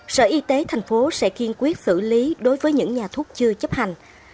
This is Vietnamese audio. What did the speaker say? sở y tế tp hcm sẽ kiên quyết xử lý đối với những nhà thuốc chưa chấp hành